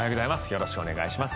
よろしくお願いします。